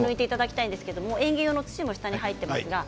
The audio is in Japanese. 園芸用の土も下に入っていますので。